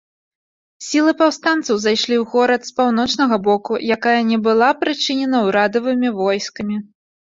Сілы паўстанцаў зайшлі ў горад з паўночнага боку, якая не была прычынена ўрадавымі войскамі.